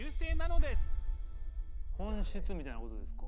本質みたいなことですか。